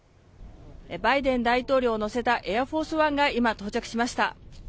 バイデン大統領を乗せたエアフォースワンが今到着しました。